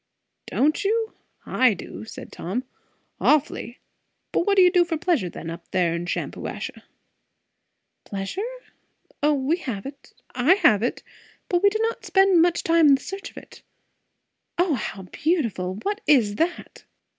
"Don't you! I do," said Tom. "Awfully. But what do you do for pleasure then, up there in Shampuashuh?" "Pleasure? O, we have it I have it But we do not spend much time in the search of it. O how beautiful! what is that?"